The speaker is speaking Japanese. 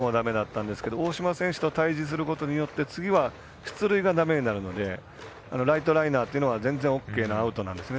フォアボールが最もだめだったんですけど大島選手と対じするにあたって次は、出塁がだめになるのでライトライナーというのは全然ＯＫなアウトなんですね。